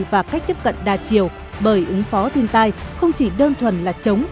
và cách tiếp cận đa chiều bởi ứng phó thiên tai không chỉ đơn thuần là chống